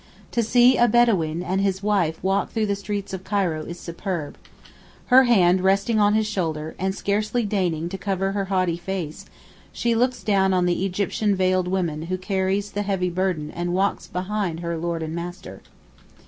To see a Bedaween and his wife walk through the streets of Cairo is superb. Her hand resting on his shoulder, and scarcely deigning to cover her haughty face, she looks down on the Egyptian veiled woman who carries the heavy burden and walks behind her lord and master.